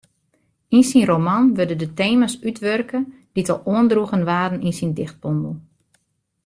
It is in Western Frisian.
Yn syn roman wurde de tema's útwurke dy't al oandroegen waarden yn syn dichtbondel.